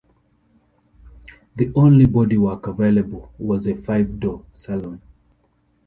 The only bodywork available was a five-door saloon.